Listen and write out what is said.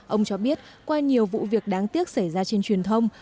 ông cho biết qua nhiều vụ việc đáng tiếc xảy ra trên truyền thông